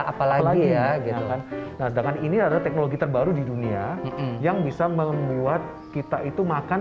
apalagi ya gitu kan nah sedangkan ini adalah teknologi terbaru di dunia yang bisa membuat kita itu makan